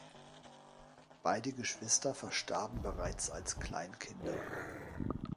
Beide Geschwister verstarben bereits als Kleinkinder.